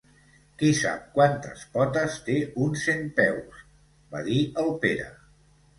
Qui sap quantes potes té un centpeus? —va dir el Pere.